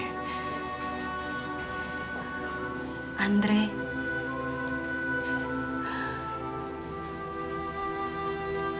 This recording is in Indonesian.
apa kabarnya andre zah